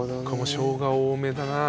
しょうが多めだな。